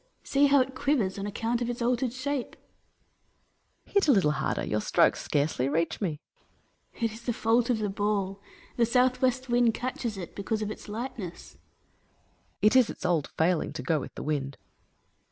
See how it quivers on account of its altered shape ! Hercules. Hit a little harder; your strokes scarcely reach me. Atlas. It is the fault of the ball. The south west wind catches it, because of its lightness. Hercules. It is its old failinsj to go with the wdnd.